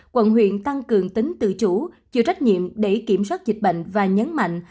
quận huyện tăng cường tính tự chủ chịu trách nhiệm để kiểm soát dịch bệnh và nhấn mạnh